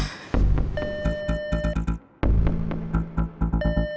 tidak ada yang bisa dipercayai